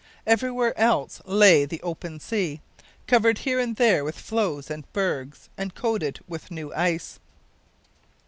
Everywhere else lay the open sea, covered here and there with floes and bergs, and coated with new ice.